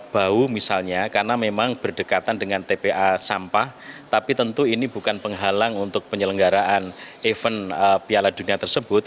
bau misalnya karena memang berdekatan dengan tpa sampah tapi tentu ini bukan penghalang untuk penyelenggaraan event piala dunia tersebut